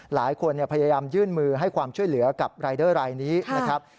หลายคนพยายามยื่นมือให้ความช่วยเหลือกับรายเดอร์รายนี้นะครับ